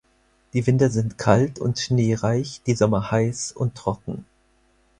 Die Winter sind kalt und schneereich, die Sommer heiß und trocken.